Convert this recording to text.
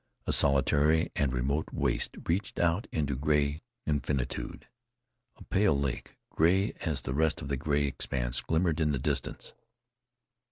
A solitary and remote waste reached out into gray infinitude. A pale lake, gray as the rest of that gray expanse, glimmered in the distance.